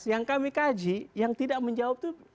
yang kami kaji yang tidak menjawab itu